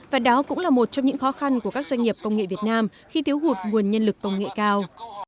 và đó cũng là một trong những khó khăn của các doanh nghiệp công nghệ việt nam khi thiếu hụt nguồn nhân lực công nghệ cao